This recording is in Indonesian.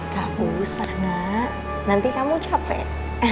gak usah nek nanti kamu capek